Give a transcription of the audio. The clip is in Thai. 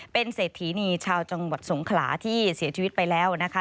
เป็นเศรษฐีนีชาวจังหวัดสงขลาที่เสียชีวิตไปแล้วนะคะ